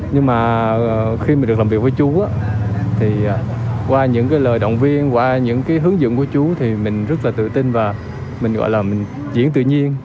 nhưng mà khi mình được làm việc với chú thì qua những cái lời động viên qua những cái hướng dẫn của chú thì mình rất là tự tin và mình gọi là mình diễn tự nhiên